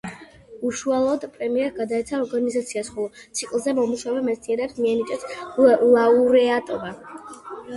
უშუალოდ პრემია გადაეცა ორგანიზაციას, ხოლო ციკლზე მომუშავე მეცნიერებს მიენიჭათ ლაურეატობა.